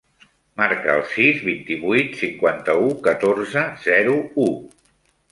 Marca el sis, vint-i-vuit, cinquanta-u, catorze, zero, u.